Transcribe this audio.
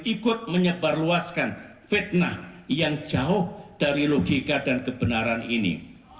ikut menyebarluaskan fitnah yang jauh dari logika dan kebenaran ini